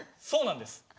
そうなんです。